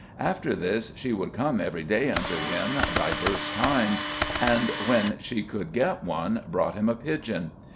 After this she would come every day unto him divers times, and, when she could get one, brought him a pigeon.